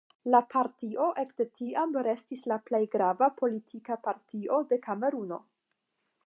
La partio ekde tiam restis la plej grava politika partio de Kameruno.